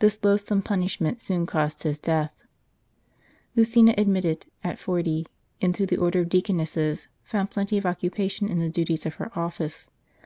This loathsome punishment soon caused his death. Lucina admitted, at forty,* into the order of deaconesses, found plenty of occupation in the duties of her office.